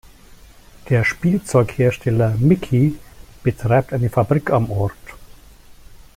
Der Spielzeughersteller „Micki“ betreibt eine Fabrik am Ort.